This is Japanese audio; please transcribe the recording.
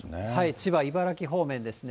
千葉、茨城方面ですね。